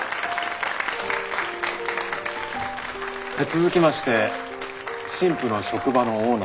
続きまして新婦の職場のオーナー